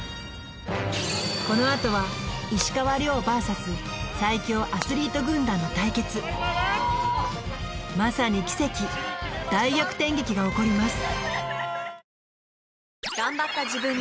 このあとは石川遼ｖｓ最強アスリート軍団の対決まさに奇跡大逆転劇が起こります